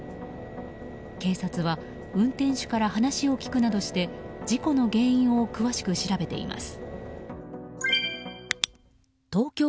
警察は運転手から話を聞くなどして事故の原因を詳しく調べています。